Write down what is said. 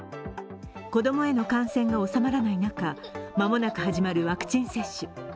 子供への感染が収まらない中間もなく始まるワクチン接種。